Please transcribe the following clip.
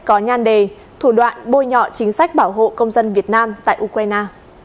có nhan đề thủ đoạn bôi nhọ chính sách bảo hộ công dân việt nam tại ukraine